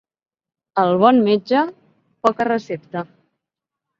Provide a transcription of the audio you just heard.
El bon metge, poca recepta.